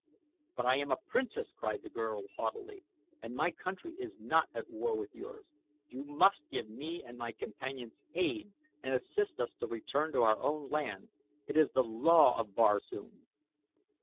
"But I am a princess," cried the girl haughtily, "and my country is not at war with yours. You must give me and my companions aid and assist us to return to our own land. It is the law of Barsoom."